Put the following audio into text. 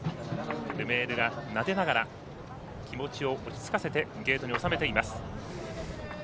ルメールがなでながら気持ちを落ち着かせてゲートに収めています。